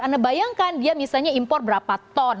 anda bayangkan dia misalnya impor berapa ton